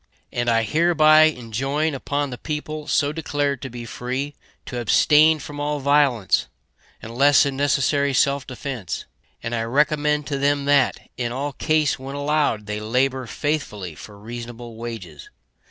And I hereby enjoin upon the people so declared to be free to abstain from all violence, unless in necessary self defence; and I recommend to them that, in all case when allowed, they labor faithfully for reasonable wages.